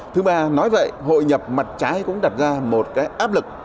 thứ ba nói vậy hội nhập mặt trái cũng đặt ra một cái áp lực